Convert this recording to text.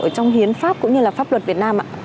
ở trong hiến pháp cũng như là pháp luật việt nam ạ